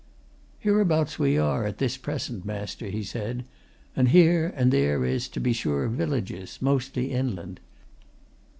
"Hereabouts we are, at this present, master," he said, "and here and there is, to be sure, villages mostly inland.